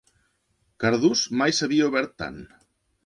Cardús mai s'havia obert tant.